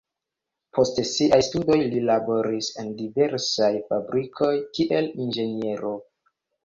Post siaj studoj li laboris en diversaj fabrikoj kiel inĝeniero.